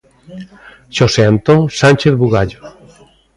Xosé Antón Sánchez Bugallo.